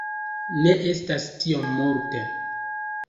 Ne estas tiom multe.